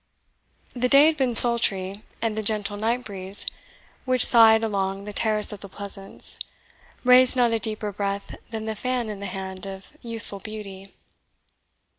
The day had been sultry, and the gentle night breeze which sighed along the terrace of the Pleasance raised not a deeper breath than the fan in the hand of youthful beauty.